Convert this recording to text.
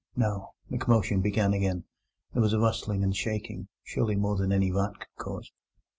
No! the commotion began again. There was a rustling and shaking: surely more than any rat could cause.